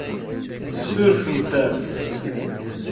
Surfemt-as.